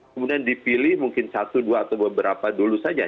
kemudian dipilih mungkin satu dua atau beberapa dulu saja